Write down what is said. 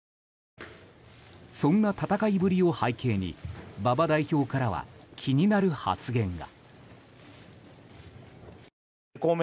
そんな戦いぶりを背景に馬場代表からは気になる発言が。